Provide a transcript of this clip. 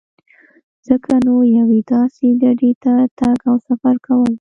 ځکه نو یوې داسې ډډې ته تګ او سفر کول.